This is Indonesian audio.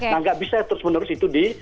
nah nggak bisa terus menerus itu di